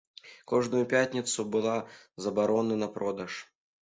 Кожную пятніцу была забарона на продаж.